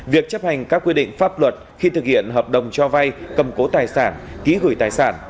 việc chấp hành các quy định pháp luật khi thực hiện hợp đồng cho vay cầm cố tài sản ký gửi tài sản